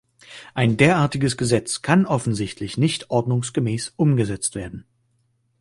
Ein derartiges Gesetz kann offensichtlich nicht ordnungsgemäß umgesetzt werden.